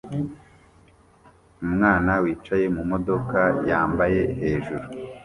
umwana wicaye mumodoka yambaye hejuru